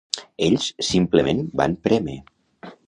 Ells simplement van prémer.